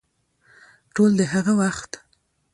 ټول د هغه وخت